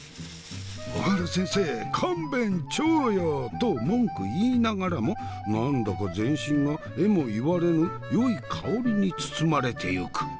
「大原先生勘弁ちょよ」と文句言いながらも何だか全身がえも言われぬよい香りに包まれてゆく。